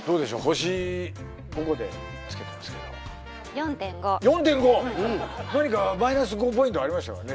星５個でつけてますけど４．５４．５？何かマイナス５ポイントありましたか？